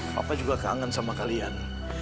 papa juga kangen sama kalian